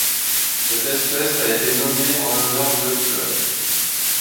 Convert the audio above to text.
Cette espèce a été nommée en l'honneur du Dr.